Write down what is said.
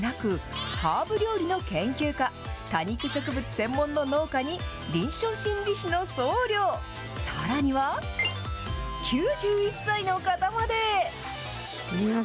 パーソナリティーは、著名人だけでなく、ハーブ料理の研究家、多肉植物専門の農家に、臨床心理士の僧侶、さらには、９１歳の方まで。